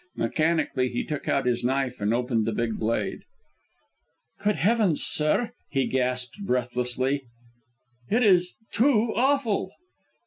Mechanically he took out his knife, and opened the big blade. "Good heavens, sir," he gasped breathlessly, "it is too awful!"